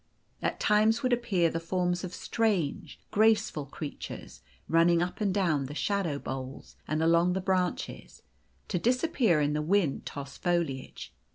At times would appear the forms of strange, graceful creatures, running up and down the shadow boles and along the branches, to disappear in the wind tossed foliage.